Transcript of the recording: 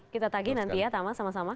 kita tagih nanti ya tama sama sama